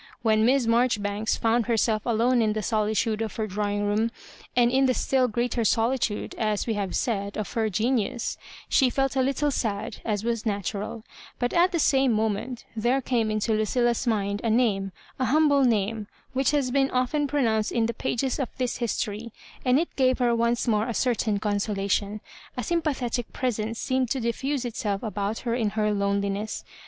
When Hiss Marjoribanks found herself alone in the solitude of her drawing room, and in the still greater solitude, as we have said, of her genius, she felt a little sad, as was natural But at the same moment there came into Lucilla'a mind a name, a humble name, which has been often pro nounced in the pages of this history, and it gave her once more a certain consolation. A sympa thetic presence seemed to diffuse itself about her in her loneliness.